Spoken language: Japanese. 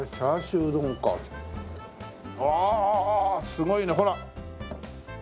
すごいねほら。